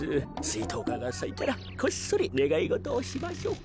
スイトウカがさいたらこっそりねがいごとをしましょう。